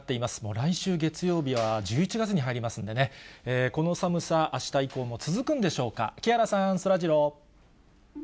来週月曜日は、１１月に入りますんでね、この寒さ、あした以降も続くんでしょうか、木原さん、そらジロー。